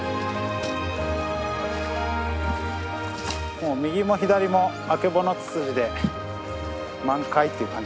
もう右も左もアケボノツツジで満開っていう感じですね。